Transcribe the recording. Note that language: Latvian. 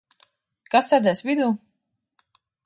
Kas sēdēs vidū?